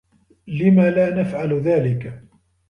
لم لا نفعل ذلك؟